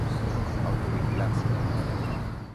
Autovigilancia